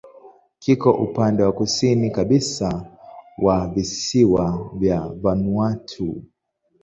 Kiko upande wa kusini kabisa wa visiwa vya Vanuatu.